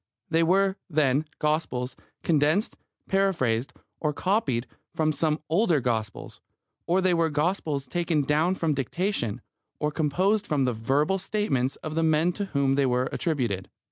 They were, then, Gospels condensed, paraphrased, or copied from some older Gospels, or they were Gospels taken down from dictation, or composed from the verbal statements of the men to whom they were attributed.